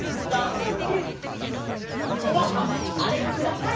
おばあさんあれください！